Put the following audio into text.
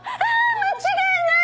間違いない！